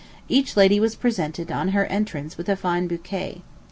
Each lady was presented, on her entrance, with a fine bouquet.